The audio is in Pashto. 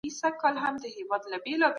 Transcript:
د پانګې اچونې له لارې لار هواریږي.